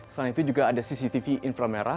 selain itu juga ada cctv infra merah